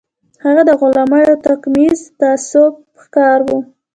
هغه د غلامۍ او توکميز تعصب ښکار و